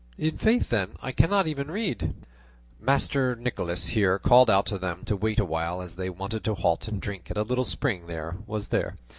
"In faith, then, I cannot even read." Master Nicholas here called out to them to wait a while, as they wanted to halt and drink at a little spring there was there.